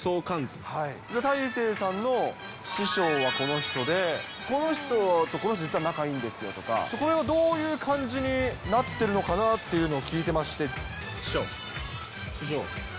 大勢さんの師匠はこの人で、この人とこの人は実は仲いいんですよとか、それはどういう感じになってるのかなというのを聞いて師匠。